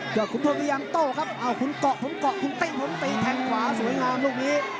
อย่างโต้ครับคุณเกาะผมเกาะคุณติ๊กผมตีแทงขวาสวยงามลูกนี้